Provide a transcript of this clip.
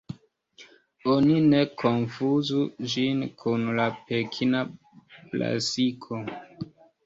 Oni ne konfuzu ĝin kun la Pekina brasiko.